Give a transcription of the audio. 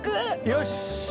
よし。